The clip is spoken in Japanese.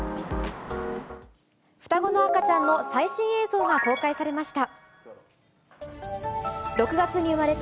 双子の赤ちゃんの最新映像が公開されました。